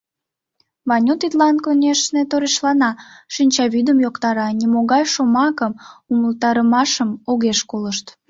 Ваню тидлан, конешне, торешлана, шинчавӱдым йоктара, нимогай шомакым, умылтарымашым огеш колышт.